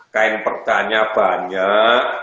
kain perta nya banyak